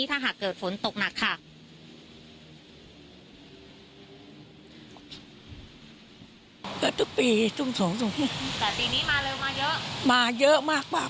ถ้าหากเกิดฝนตกหนักค่ะ